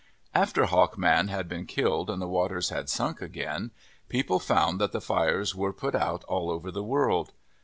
After Hawk Man had been killed and the waters had sunk again, people found that the fires were put out all over the world.